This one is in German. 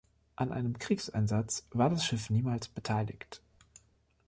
An einem Kriegseinsatz war das Schiff niemals beteiligt.